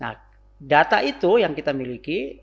nah data itu yang kita miliki